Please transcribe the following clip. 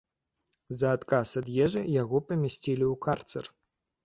За адказ ад ежы яго памясцілі ў карцэр.